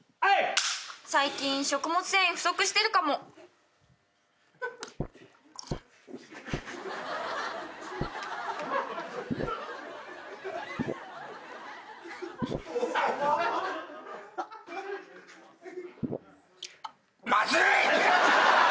「最近食物繊維不足してるかも」「まずい！」